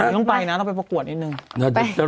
ต้องไปนะต้องไปประกวดนิดนึง